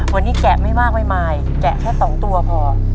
วันนี้แกะไม่มากไม่มายแกะแค่๒ตัวพอ